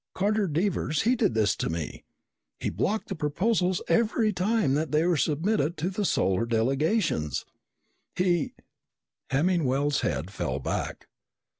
Carter Devers he did this to me. He blocked the proposals every time that they were submitted to the Solar delegations. He " Hemmingwell's head fell back.